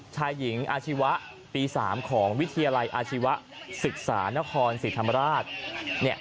ชายหญิงอาชีวะปี๓ของวิทยาลัยอาชีวศึกษานครศรีธรรมราช